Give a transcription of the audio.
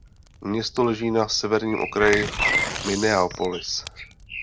Město leží na severním okraji Minneapolis.